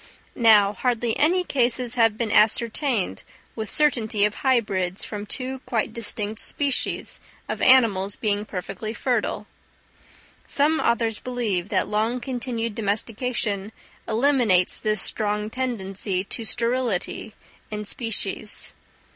Now, hardly any cases have been ascertained with certainty of hybrids from two quite distinct species of animals being perfectly fertile. Some authors believe that long continued domestication eliminates this strong tendency to sterility in species.